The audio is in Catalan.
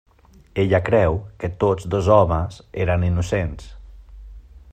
Ella creu que tots dos homes eren innocents.